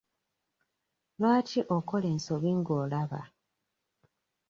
Lwaki okola ensobi ng'olaba?